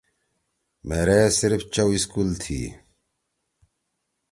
مھیرے صرف چَؤ سکول تھی۔